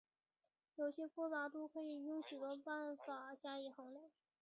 游戏复杂度可以用许多方法加以衡量。